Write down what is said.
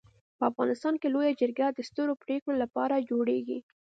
په افغانستان کي لويه جرګه د سترو پريکړو لپاره جوړيږي.